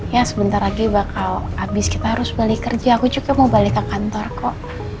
ya sebentar lagi bakal habis kita harus balik kerja aku juga mau balik ke kantor kok